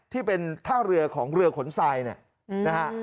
ที่เป็นท่าเรือของเรือขนรรดิี่ไซล์